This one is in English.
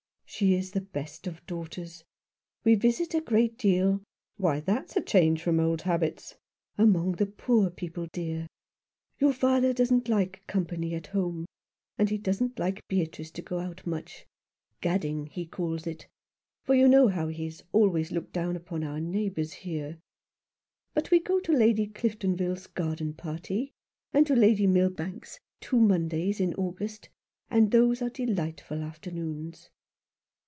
" She is the best of daughters. We visit a great deal "" Why, that's a change from old habits." "Among the poor people, dear. Your father 70 Some One who loved. Hint. doesn't like company at home, and he doesn't like Beatrice to go out much — gadding, he calls it — for you know how he has always looked down upon our neighbours here. But we go to Lady Cliftonville's garden party, and to Lady Milbank's two Mondays in August, and those are delightful afternoons."